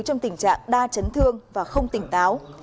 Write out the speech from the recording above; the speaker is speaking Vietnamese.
trong tình trạng đa chấn thương và không tỉnh táo